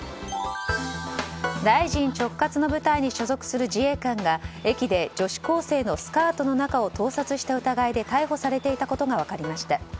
大臣直轄の部隊に所属する自衛官が駅で女子高生のスカートの中を盗撮した疑いで逮捕されていたことが分かりました。